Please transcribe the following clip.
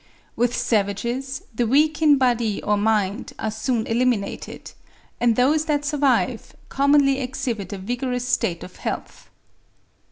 With savages, the weak in body or mind are soon eliminated; and those that survive commonly exhibit a vigorous state of health.